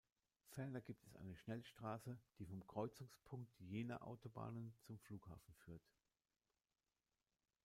Ferner gibt es eine Schnellstraße, die vom Kreuzungspunkt jener Autobahnen zum Flughafen führt.